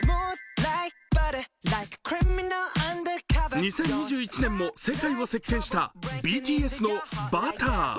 ２０２１年も世界を席巻したＢＴＳの「Ｂｕｔｔｅｒ」。